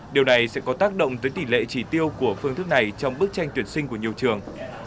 điều này sẽ có tác động tới tỷ lệ chỉ tiêu của phương thức này trong bức tranh tuyển sinh của nhiều trường